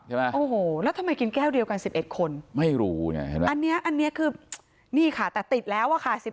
หโหแล้วทำไมกินแก้วเดียวกัน๑๑คนไม่รู้อันนี้คือนี่ค่ะแต่ติดแล้วค่ะ